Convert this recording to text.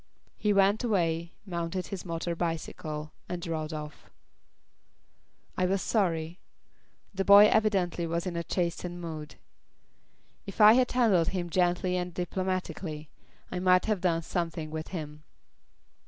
He went away, mounted his motor bicycle, and rode off. I was sorry. The boy evidently was in a chastened mood. If I had handled him gently and diplomatically, I might have done something with him.